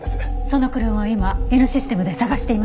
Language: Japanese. その車を今Ｎシステムで捜しています。